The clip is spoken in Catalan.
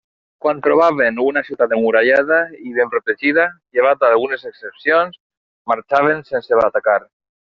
Quan trobaven una ciutat emmurallada i ben protegida, llevat d'algunes excepcions, marxaven sense atacar.